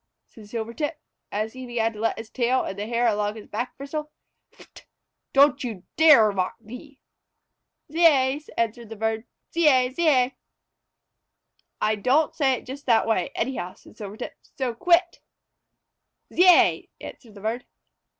"Pht!" said Silvertip, as he began to let his tail and the hair along his back bristle. "Pht! Don't you dare to mock me!" "Zeay!" answered the bird. "Zeay! Zeay!" "I don't say it just that way, anyhow," said Silvertip; "so quit!" "Zeay!" answered the bird.